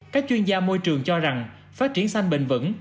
các chuyên gia môi trường cho rằng phát triển xanh bền vững